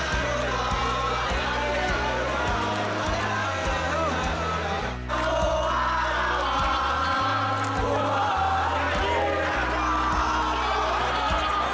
terima kasih atas ketentuan saya kenapa saya menang